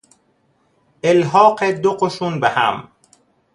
الحاق دو قشون به هم